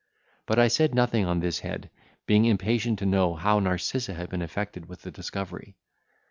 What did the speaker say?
But I said nothing on this head, being impatient to know how Narcissa had been affected with the discovery.